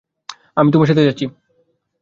আমি তোমার সাথে যাচ্ছি।